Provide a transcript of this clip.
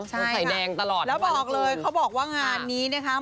ใช่ค่ะแล้วบอกเลยเขาบอกว่างานนี้นะคะ